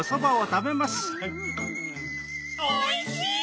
おいしい！